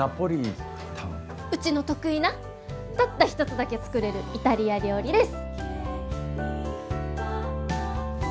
うちの得意なたった一つだけ作れるイタリア料理です！